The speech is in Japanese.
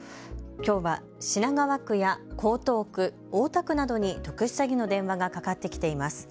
きょうは、品川区や江東区、大田区などに特殊詐欺の電話がかかってきています。